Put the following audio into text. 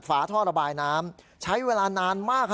ฝาท่อระบายน้ำใช้เวลานานมาก